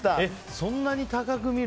そんなに高く見る？